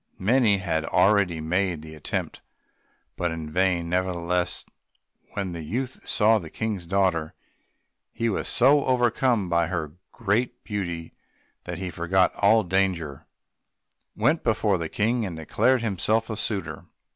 Many had already made the attempt, but in vain; nevertheless when the youth saw the King's daughter he was so overcome by her great beauty that he forgot all danger, went before the King, and declared himself a suitor.